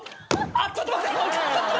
あっちょっと待って！